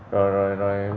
rồi rồi rồi